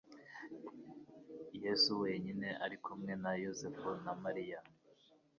Yesu wenyine ari kumwe na Yosefu na Mariya,